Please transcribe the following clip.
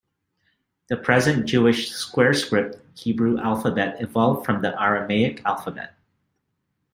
The present Jewish "square-script" Hebrew alphabet evolved from the Aramaic alphabet.